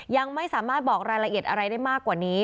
ยังไม่สามารถบอกรายละเอียดอะไรได้มากกว่านี้